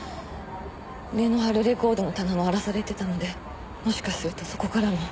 値の張るレコードの棚も荒らされてたのでもしかするとそこからも。